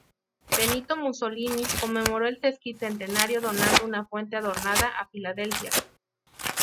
Benito Mussolini conmemoró el sesquicentenario donando una fuente adornada a Filadelfia.